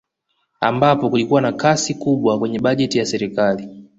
Ambapo kulikuwa na nakisi kubwa kwenye bajeti ya serikali